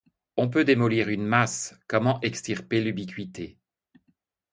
On peut démolir une masse, comment extirper l'ubiquité?